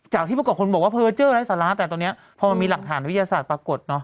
จากที่ประกอบคนบอกว่าเพอร์เจอร์อะไรสักละแต่ตอนนี้พอมันมีหลักฐานวิทยาศาสตร์ปรากฏ